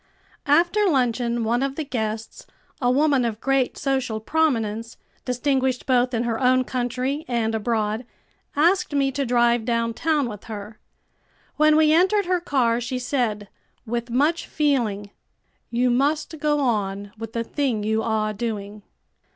After luncheon one of the guests, a woman of great social prominence, distinguished both in her own country and abroad, asked me to drive downtown with her. When we entered her car she said, with much feeling "You must go on with the thing you are doing."